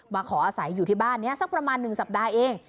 ขออาศัยอยู่ที่บ้านนี้สักประมาณ๑สัปดาห์เอง